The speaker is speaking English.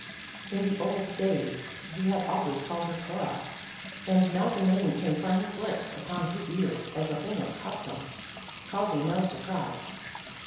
In the old days he had always called her Cora, and now the name came from his lips upon her ears as a thing of custom, causing no surprise.